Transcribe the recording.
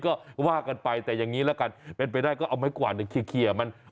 ก็ว่ากันไปแต่อย่างนี้ละกัน